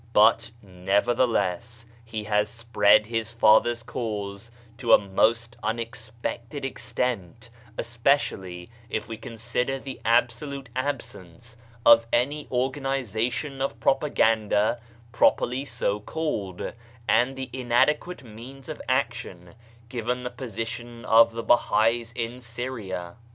But nevertheless he has spread his father's Cause to a most unexpected extent, especially if we con sider the absolute absence of any organisa tion of propaganda properly so called, and the inadequate means of action given the position of the Bahais in Syria.